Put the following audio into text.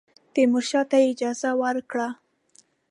تیمورشاه ته یې اجازه ورکړه.